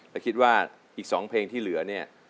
ก็คิดว่าอีก๒เพลงที่เหลือ